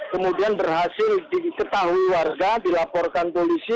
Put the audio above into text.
kemudian berhasil diketahui warga dilaporkan polisi